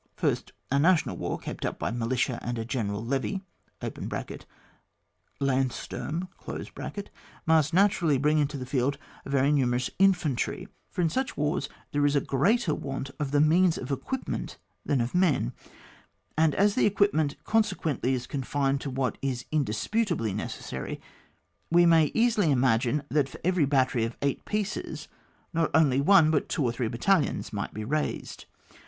First, a national war, kept up by militia and a general levy (Landsturm), must naturally bring into the field a very nu merous infantry ; for in such wars there is a greater want of the means of equip ment than of men, and as the equipment consequently is confined to what is in disputably necessaiy, we may easily ima« gine, that for every battery of eight pieces, not only one, but two or three battalions might be raised.